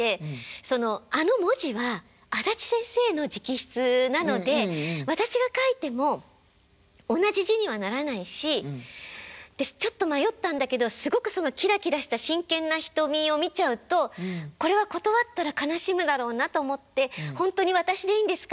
そのあの文字はあだち先生の直筆なので私が書いても同じ字にはならないしちょっと迷ったんだけどすごくキラキラした真剣な瞳を見ちゃうとこれは断ったら悲しむだろうなと思って「ほんとに私でいいんですか？」